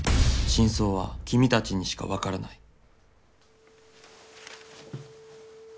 「真相は君たちにしかわからない」。